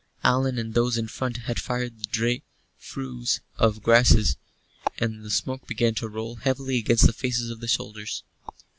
Allan and those in front had fired the dry furze and grasses, and the smoke began to roll heavily against the faces of the soldiers.